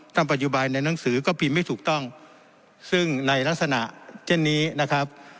ปัจจุบันในหนังสือก็พิมพ์ไม่ถูกต้องซึ่งในลักษณะเช่นนี้นะครับ